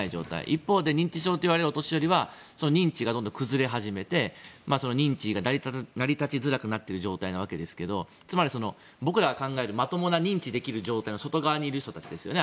一方で認知症といわれるお年寄りは認知がどんどん崩れ始めて認知が成り立ちづらくなっているような状況ですけどつまり、僕らが考えるまともに認知できる状態の外側にいる人たちですよね